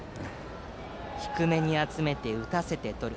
低めに集めて打たせてとる。